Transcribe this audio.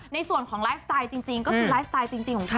ในส่วนของไลฟ์สไตล์จริงก็คือไลฟ์สไตล์จริงของเธอ